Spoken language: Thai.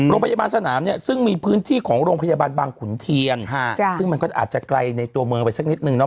โรงพยาบาลสนามเนี่ยซึ่งมีพื้นที่ของโรงพยาบาลบางขุนเทียนซึ่งมันก็อาจจะไกลในตัวเมืองไปสักนิดนึงเนาะ